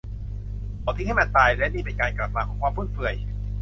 เขาทิ้งให้มันตาย และนี่เป็นการกลับมาของความฟุ่มเฟือย